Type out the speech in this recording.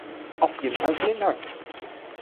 Auf jeden Fall vielen Dank!